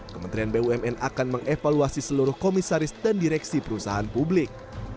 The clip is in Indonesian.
kementerian bumn akan mengevaluasi seluruh komisaris dan direksi perusahaan publik